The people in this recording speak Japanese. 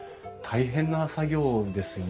大変な作業ですよねきっと。